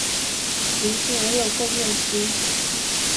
零至六个月之